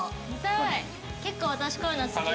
結構私こういうの好き。